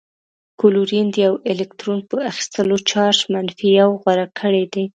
کلورین د یوه الکترون په اخیستلو چارج منفي یو غوره کړی دی.